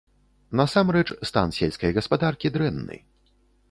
Насамрэч, стан сельскай гаспадаркі дрэнны.